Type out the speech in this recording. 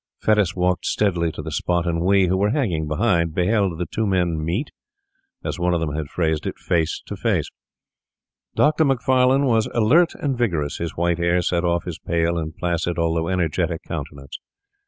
Fettes walked steadily to the spot, and we, who were hanging behind, beheld the two men meet, as one of them had phrased it, face to face. Dr. Macfarlane was alert and vigorous. His white hair set off his pale and placid, although energetic, countenance.